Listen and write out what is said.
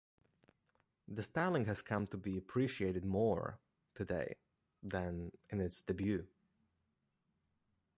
The styling has come to be appreciated more today than in its debut.